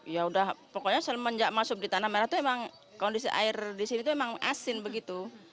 ya udah pokoknya semenjak masuk di tanah merah itu emang kondisi air di sini tuh emang asin begitu